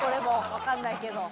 わかんないけど。